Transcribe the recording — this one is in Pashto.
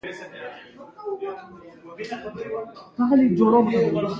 زړه سل زره ځلې په ورځ ټکي.